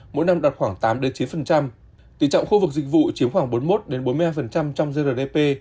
mỗi năm đạt khoảng tám chín tỷ trọng khu vực dịch vụ chiếm khoảng bốn mươi một bốn mươi hai trong grdp